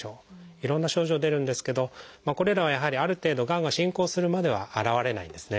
いろんな症状出るんですけどこれらはやはりある程度がんが進行するまでは現れないんですね。